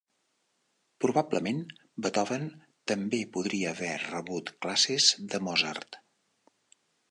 Probablement, Beethoven també podria haver rebut classes de Mozart.